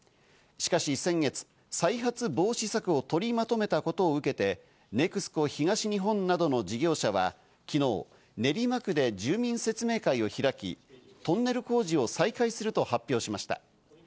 しかし先月、再発防止策を取りまとめたことを受けて、ＮＥＸＣＯ東日本などの事業者は昨日、練馬区で住民説明会を開き、トンネル工事を再開すると発表しました。